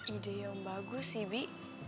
ide yang bagus sih bi